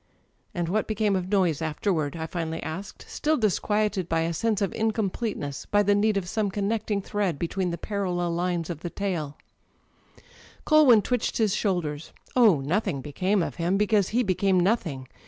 "And what became of Noyes afterward?'* I finally asked, still disquieted by a sense of incompleteness, by the need of some connecting thread between the parallel lines of the tale. Culwin twitched his shoulders. Oh, nothing became of him â€" because he became nothing.